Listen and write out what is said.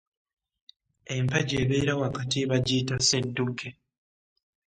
Empagi ebeera wakati bagiyita sseddugge.